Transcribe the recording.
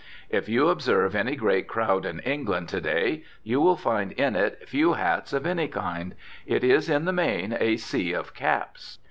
If you observe any great crowd in England to day you will find in it few hats of any kind; it is in the main a sea of caps.